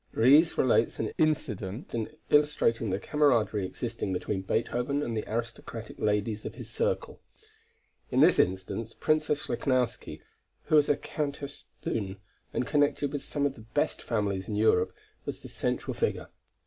Ries relates an incident illustrating the cameraderie existing between Beethoven and the aristocratic ladies of his circle. In this instance. Princess Lichnowsky, who was a Countess Thun, and connected with some of the best families in Europe, was the central figure.